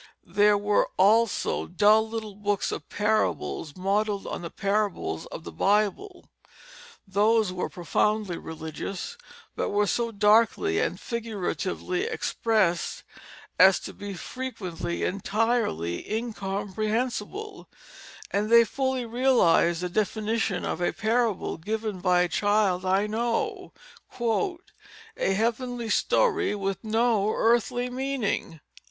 There were also dull little books of parables, modelled on the parables of the Bible. Those were profoundly religious, but were so darkly and figuratively expressed as to be frequently entirely incomprehensible; and they fully realized the definition of a parable given by a child I know "a heavenly story with no earthly meaning."